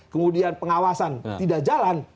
kemudian pengawasan tidak jalan